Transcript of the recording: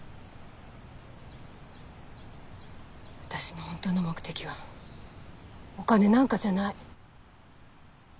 私のほんとの目的はお金なんかじゃない。